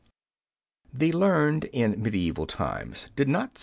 The learned in medieval times did not spare women.